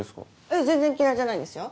全然嫌いじゃないですよ。